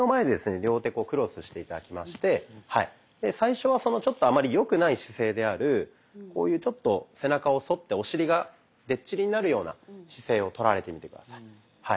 両手クロスして頂きまして最初はあまり良くない姿勢であるこういうちょっと背中を反ってお尻が出っ尻になるような姿勢をとられてみて下さい。